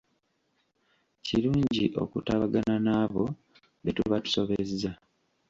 Kirungi okutabagana n'abo be tuba tusobezza.